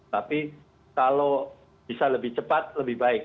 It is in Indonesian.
tapi kalau bisa lebih cepat lebih baik